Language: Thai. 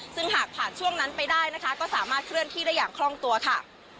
ซึ่งหากผ่านช่วงนั้นไปได้นะคะก็สามารถเคลื่อนที่ได้อย่างคล่องตัวค่ะ